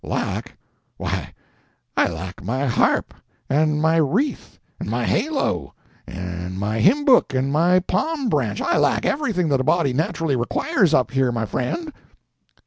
"Lack! Why, I lack my harp, and my wreath, and my halo, and my hymn book, and my palm branch—I lack everything that a body naturally requires up here, my friend."